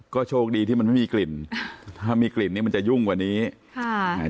ก็โชคดีที่มันไม่มีกลิ่นถ้ามีกลิ่นนี้มันจะยุ่งกว่านี้ค่ะอ่า